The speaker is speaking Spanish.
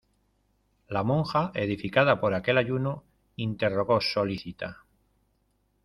la monja edificada por aquel ayuno, interrogó solícita: